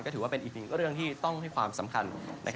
ก็ถือว่าเป็นเรื่องที่ต้องให้ความสำคัญ